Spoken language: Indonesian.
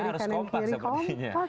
harus kompak sepertinya